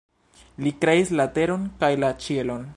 Li kreis la teron kaj la ĉielon.